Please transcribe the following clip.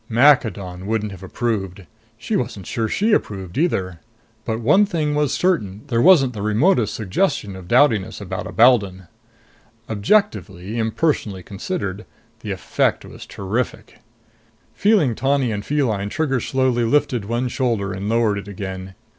Maccadon wouldn't have approved. She wasn't sure she approved either. But one thing was certain there wasn't the remotest suggestion of dowdiness about a Beldon. Objectively, impersonally considered, the effect was terrific. Feeling tawny and feline, Trigger slowly lifted one shoulder and lowered it again.